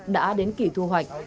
đã đến kỳ thu hoạch